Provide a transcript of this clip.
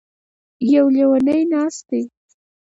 يـو ليونی نـاست دی.